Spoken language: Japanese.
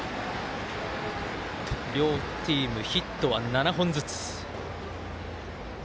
両チーム、ヒットは７本ずつ。